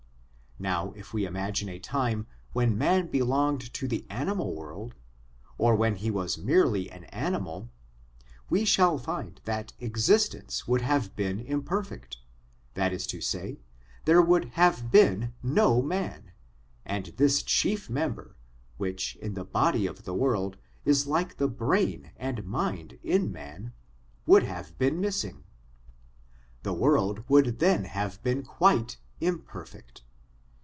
Now, if we imagine a time when man belonged to the animal world, or when he was merely an animal, we shall find that existence would have been imperfect ; that is to say, there would have been no man, and this chief member, which in the body of the world is like the brain and mind in man, would have been missing. The world would then have been quite imperfect.